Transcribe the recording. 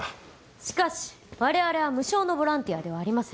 しかし我々は無償のボランティアではありません。